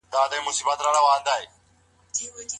له اسلام څخه انکار د ګډ ژوند پای دی.